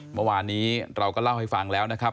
เมื่อวานนี้เราก็เล่าให้ฟังแล้วนะครับ